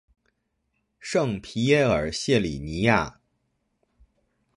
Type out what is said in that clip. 圣皮耶尔谢里尼亚。